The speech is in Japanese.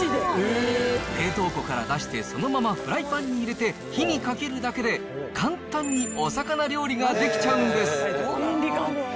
冷凍庫から出して、そのままフライパンに入れて火にかけるだけで、簡単にお魚料理が出来ちゃうんです。